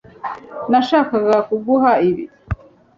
Nashakaga kuguha ibi